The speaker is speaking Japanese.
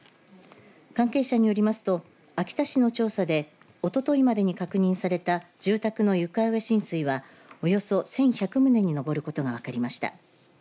関係者によりますと秋田市の調査でおとといまでに確認された住宅の床上浸水はおよそ１１００棟に上ることが分かりました。